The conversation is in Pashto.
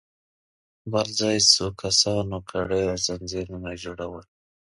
بل ځای څو کسانو کړۍ او ځنځيرونه جوړل.